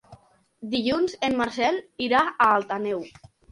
Dilluns en Marcel irà a Alt Àneu.